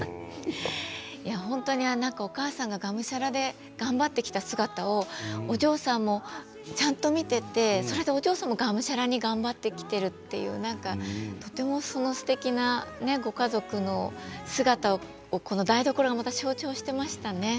本当にお母さんががむしゃらで頑張ってきた姿をお嬢さんもちゃんと見ていてお嬢さんも、がむしゃらに頑張ってきているというとてもすてきなご家族の姿をこの台所が象徴していましたね。